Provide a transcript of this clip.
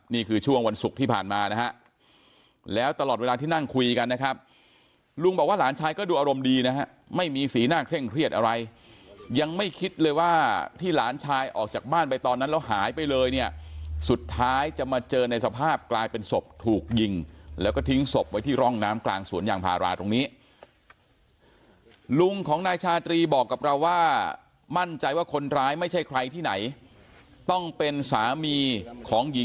นี่คือช่วงวันศุกร์ที่ผ่านมานะฮะแล้วตลอดเวลาที่นั่งคุยกันนะครับลุงบอกว่าหลานชายก็ดูอารมณ์ดีนะฮะไม่มีสีหน้าเคร่งเครียดอะไรยังไม่คิดเลยว่าที่หลานชายออกจากบ้านไปตอนนั้นแล้วหายไปเลยเนี่ยสุดท้ายจะมาเจอในสภาพกลายเป็นศพถูกยิงแล้วก็ทิ้งศพไว้ที่ร่องน้ำกลางศูนย์อย่างภาราตรงนี้ล